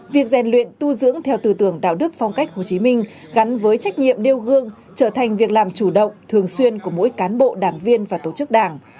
việc rèn luyện tu dưỡng theo tư tưởng đạo đức phong cách hồ chí minh gắn với trách nhiệm đeo gương trở thành việc làm chủ động thường xuyên của mỗi cán bộ đảng viên và tổ chức đảng